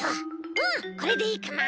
うんこれでいいかな？